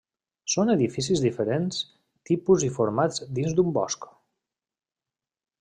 Són edificis diferents tipus i formats dins d'un bosc.